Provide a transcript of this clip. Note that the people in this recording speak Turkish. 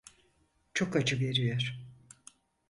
Çok acı veriyor.